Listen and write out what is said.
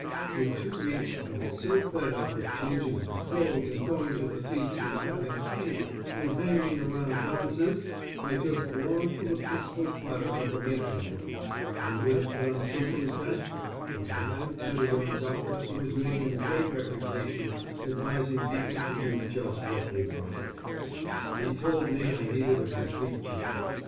In two weeks, I was so fed up with changing my clothes, and going to the beach, and having tea, and hanging around dances, I just longed for the peaceful clatter of the making room, and would have done something desperate, if I hadn't met a young doctor who was making a great reputation advising people to do just what they wanted. He told me I needed a complete change.